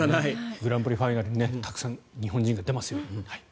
グランプリファイナルたくさん日本人出てますね。